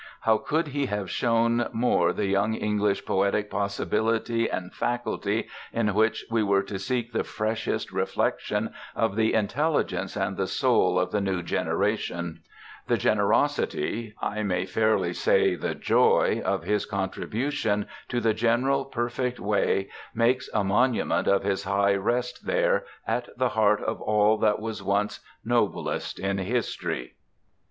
How could he have shown more the young English poetic possibility and faculty in which we were to seek the freshest reflection of the intelligence and the soul of the new generation? The generosity, I may fairly say the joy, of his contribution to the general perfect way makes a monument of his high rest there at the heart of all that was once noblest in history.